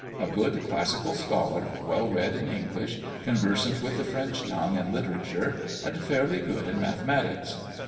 A good classical scholar, well read in English, conversant with the French tongue and literature, and fairly good in mathematics."